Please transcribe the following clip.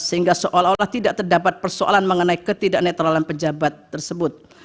sehingga seolah olah tidak terdapat persoalan mengenai ketidak netralan pejabat tersebut